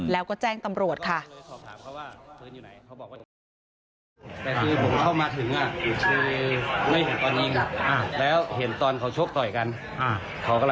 แล้วก็แจ้งตำรวจค่ะ